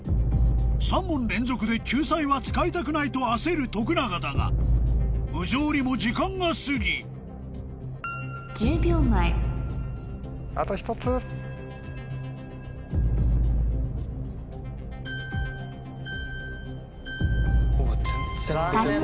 ３問連続で救済は使いたくないと焦る徳永だが無情にも時間が過ぎ１０秒前全然出て来うへん。